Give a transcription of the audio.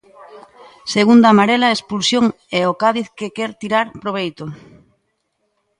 Segunda amarela, expulsión e o Cádiz que quere tirar proveito.